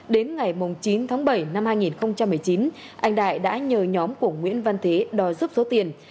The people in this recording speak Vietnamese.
đến ngày chín tháng bảy năm hai nghìn một mươi chín anh đại đã nhờ nhóm của nguyễn văn thế đòi giúp số tiền